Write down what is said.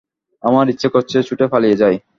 আমার ইচ্ছে করছে ছুটে পালিয়ে যাই।